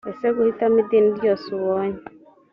ese guhitamo idini ryose ubonye